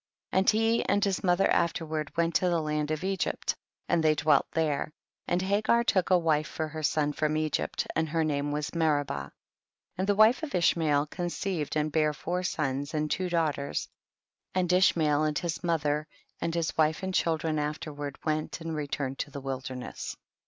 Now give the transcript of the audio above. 17. And he and his mother after ward went to the land of Egypt, and they dwelt there, and Hagar took a wife for her son from Egypt, and her name was Meribah. 1 8. And the wife of Ishmael con ceived and bare four sons and twc daughters, and Ishmael and his mo I ther and his wife and children after I ward went and returned to the wil derness.